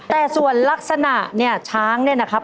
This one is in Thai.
แต่ส่วนลักษณะช้างนี่นะครับ